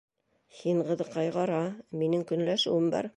Һин, ҡыҙыҡай, ҡара, минең көнләшеүем бар.